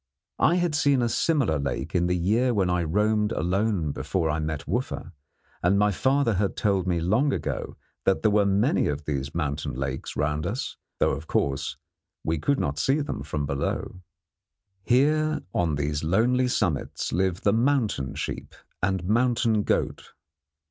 I had seen a similar lake in the year when I roamed alone before I met Wooffa, and my father had told me long ago that there were many of these mountain lakes round us, though, of course, we could not see them from below. Here on these lonely summits live the mountain sheep and mountain goat.